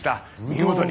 見事に。